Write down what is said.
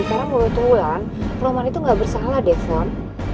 sekarang walaupun itu wulan romain itu gak bersalah devon